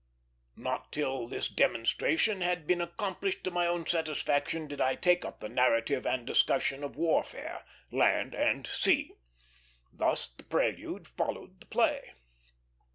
Not till this demonstration had been accomplished to my own satisfaction did I take up the narrative and discussion of warfare, land and sea. Thus the prelude followed the play.